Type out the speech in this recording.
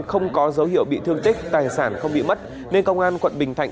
không có dấu hiệu bị thương tích tài sản không bị mất nên công an quận bình thạnh